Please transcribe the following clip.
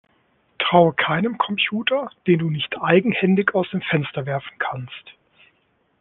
Traue keinem Computer, den du nicht eigenhändig aus dem Fenster werfen kannst!